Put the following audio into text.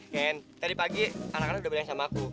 ken tadi pagi anak anak udah belanja sama aku